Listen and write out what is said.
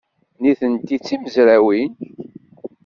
Nitenti d timezrawin.